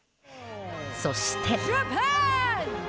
そして。